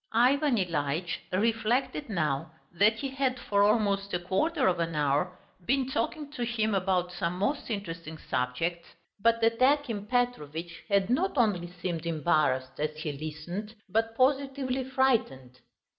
Ivan Ilyitch reflected now that he had for almost a quarter of an hour been talking to him about some most interesting subject, but that Akim Petrovitch had not only seemed embarrassed as he listened, but positively frightened.